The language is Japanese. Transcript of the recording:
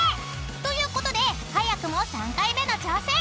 ［ということで早くも３回目の挑戦］